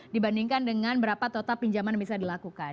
dibandingkan dengan berapa total pinjaman yang bisa dilakukan